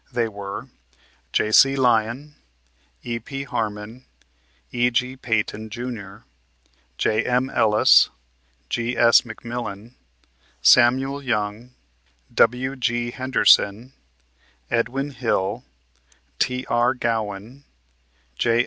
They were: J.C. Lyon, E.P. Harmon, E.G. Peyton, Jr., J.M. Ellis, G.S. McMillan, Samuel Young, W.G. Henderson, Edwin Hill, T.R. Gowan, J.